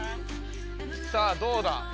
さあどうだ？